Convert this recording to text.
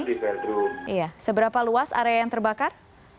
iya seberapa luas area yang terbakar